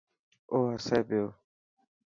او هسي پيو.